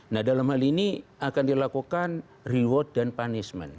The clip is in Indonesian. nah dalam hal ini akan dilakukan reward dan punishment